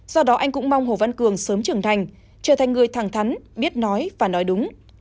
do đó anh cũng mong hồ văn cường sớm trưởng thành trở thành người thẳng thắn biết nói và nói đúng